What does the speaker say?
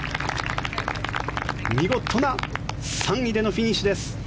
見事な３位でのフィニッシュです。